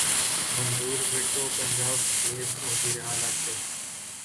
منظور وٹو پنجاب کے وزیر اعلی تھے۔